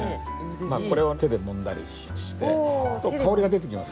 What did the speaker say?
これを手でもんだりしてそうすると香りが出てきます